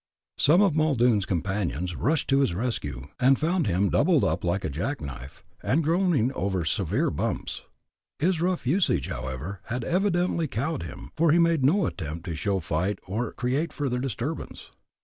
Some of Muldoon's companions rushed to his rescue and found him doubled up like a jack knife, and groaning over severe bumps. His rough usage, however, had evidently cowed him, for he made no attempt to show fight or create further disturbance.